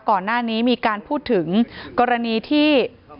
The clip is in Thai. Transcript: ก่อนหน้านี้มีการพูดถึงกรณีที่